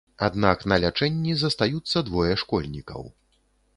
Аднак на лячэнні застаюцца двое школьнікаў.